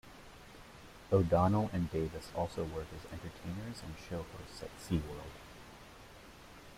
O'Donnell and Davis also work as entertainers and show hosts at SeaWorld.